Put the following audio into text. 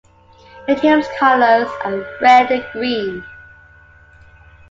The team's colors are red and green.